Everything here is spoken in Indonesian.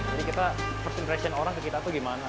jadi kita first impression orang ke kita itu gimana